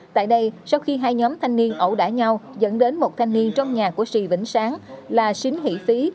tại đây sau khi hai nhóm thanh niên ẩu đả nhau dẫn đến một thanh niên trong nhà của sì vĩnh sáng là xính hỷ phí